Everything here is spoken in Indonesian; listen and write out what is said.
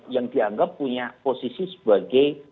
yang dianggap punya posisi sebagai